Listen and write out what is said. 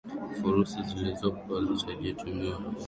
furusa zilizopo hazijatumiwa ipasavyo na wawekezaji